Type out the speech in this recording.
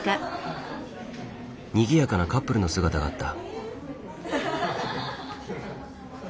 にぎやかなカップルの姿があった。